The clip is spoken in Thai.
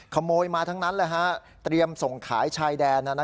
ขโมยมาทั้งนั้นเตรียมส่งขายชายแดน